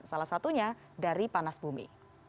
salah satunya dari panas bumi